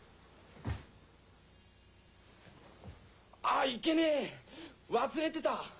あっいけねえわすれてた！